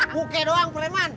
buka doang fleman